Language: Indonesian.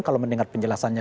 kalau mendengar penjelasannya